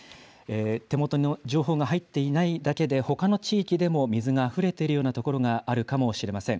手元の情報が入っていないだけで、ほかの地域でも水があふれているような所があるかもしれません。